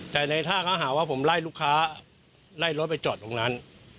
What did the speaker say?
แต่ในท่าเขาหาว่าผมไล่ลูกค้าไล่รถไปจอดตรงนั้น